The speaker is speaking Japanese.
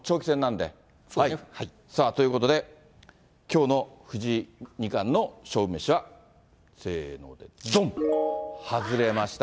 ということで、きょうの藤井二冠の勝負メシは、せーので、どん！外れました。